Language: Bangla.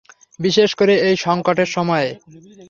বিশেষ করে এই সংকটের সময়ে।